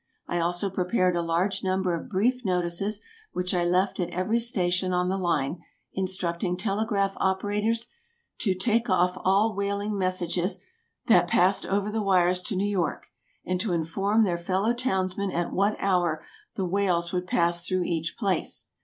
I also prepared a large number of brief notices which I left at every station on the line, instructing telegraph operators to "take off" all "whaling messages" that passed over the wires to New York, and to inform their fellow townsmen at what hour the whales would pass through each place.